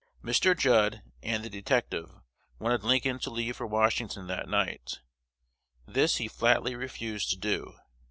Mr. Judd and the detective wanted Lincoln to leave for Washington that night. This he flatly refused to do.